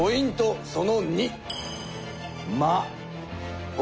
その２。